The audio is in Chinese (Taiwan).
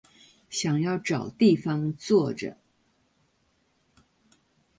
想要找地方坐著